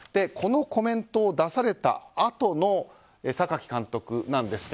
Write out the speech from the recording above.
このコメントを出されたあとの榊監督